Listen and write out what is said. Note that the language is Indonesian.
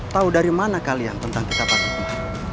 tahu dari mana kalian tentang kitab al hikmah